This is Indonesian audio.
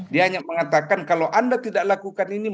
dia hanya mengatakan kalau anda tidak lakukan ini